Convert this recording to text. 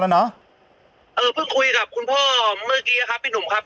เอ่อเพิ่งคุยกับคุณพ่อเมื่อกี้ครับพี่หนุ่มครับ